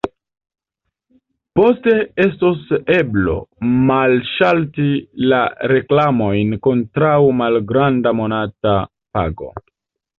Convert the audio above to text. Poste estos eblo malŝalti la reklamojn kontraŭ malgranda monata pago.